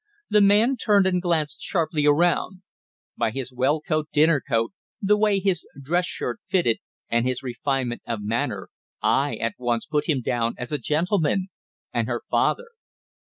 The man turned and glanced sharply around. By his well cut dinner coat, the way his dress shirt fitted, and his refinement of manner, I at once put him down as a gentleman, and her father.